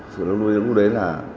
chú lâu nuôi lúc đấy là